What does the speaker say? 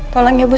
tolong ya bu